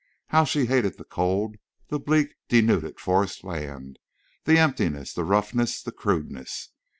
How she hated the cold, the bleak, denuded forest land, the emptiness, the roughness, the crudeness!